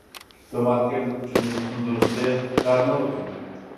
د مارکېټ د کوچنیو ستونزو نسخې کار نه ورکوي.